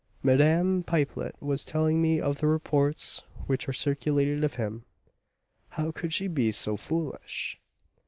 "Madame Pipelet was telling me of the reports which are circulated of him." "How could she be so foolish?"